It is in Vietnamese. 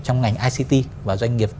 trong ngành ict và doanh nghiệp